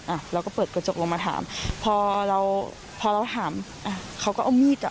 อ่ะเราก็เปิดกระจกลงมาถามพอเราพอเราถามอ่ะเขาก็เอามีดอ่ะ